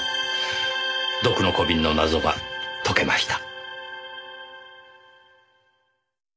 毒の小瓶の謎が解けました。